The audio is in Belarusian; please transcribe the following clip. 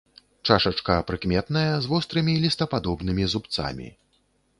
Чашачка прыкметная, з вострымі лістападобнымі зубцамі.